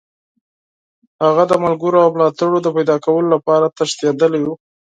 هغه د ملګرو او ملاتړو د پیداکولو لپاره تښتېدلی وو.